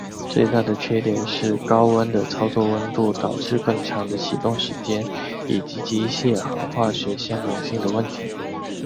最大的缺点是高温的操作温度导致更长的启动时间以及机械和化学相容性的问题。